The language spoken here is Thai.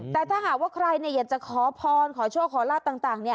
แต่ถ้าหากว่าใครอยากจะขอพรขอโชคขอลาบต่าง